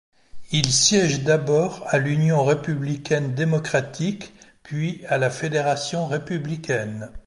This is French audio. Il siège d'abord à l'Union républicaine démocratique, puis à la Fédération républicaine.